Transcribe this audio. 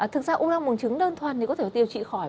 thực ra u năng bùng trứng đơn thuần thì có thể điều trị khỏi